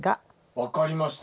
分かりました。